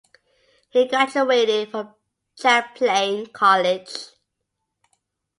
He graduated from Champlain College.